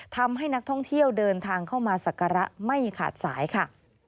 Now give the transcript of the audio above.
ทำให้นักท่องเที่ยวเดินทางเข้ามาสักการะไม่ขาดสายค่ะ